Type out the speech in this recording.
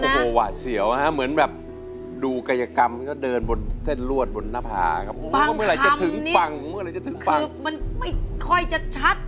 เพื่อทางเส้นทางกลับหน้า